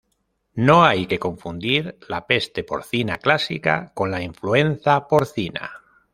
No hay que confundir la Peste Porcina Clásica con la Influenza Porcina.